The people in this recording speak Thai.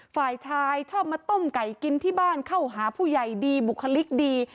ฝ่ายชายชอบมาต้มไก่กินที่บ้านเข้าหาผู้ใหญ่ดีบุคลิกดี